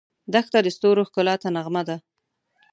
دښته د ستورو ښکلا ته نغمه ده.